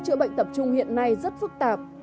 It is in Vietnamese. chữa bệnh tập trung hiện nay rất phức tạp